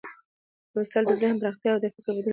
لوستل د ذهن د پراختیا او د فکر د بدلون لار ده.